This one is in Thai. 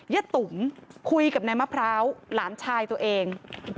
ตุ๋มคุยกับนายมะพร้าวหลานชายตัวเอง